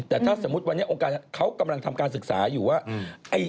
แต่ถ้าสมมุติวันนี้องค์การเขากำลังทำการศึกษาอยู่ว่า